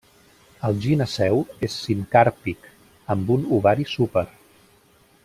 El gineceu és sincàrpic amb un ovari súper.